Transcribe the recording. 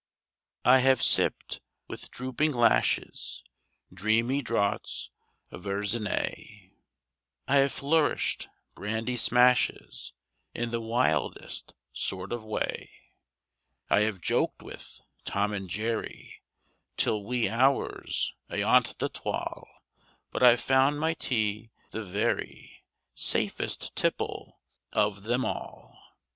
I have sipped, with drooping lashes, Dreamy draughts of Verzenay; I have flourished brandy smashes In the wildest sort of way; I have joked with "Tom and Jerry" Till wee hours ayont the twal' But I've found my tea the very Safest tipple of them all!